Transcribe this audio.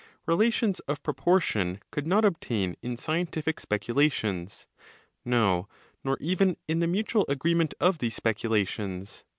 Relations of proportion could not obtain in scientific speculations; no, nor even in the mutual agreement of these speculations.